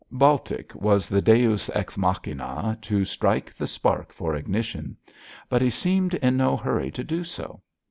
Baltic was the deus ex machinâ to strike the spark for ignition, but he seemed in no hurry to do so.